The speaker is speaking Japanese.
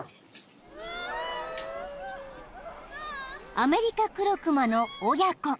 ［アメリカクロクマの親子］